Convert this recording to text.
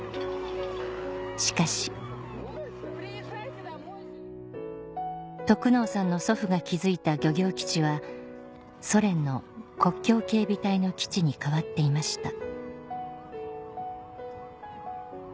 しかし得能さんの祖父が築いた漁業基地はソ連の国境警備隊の基地に変わっていました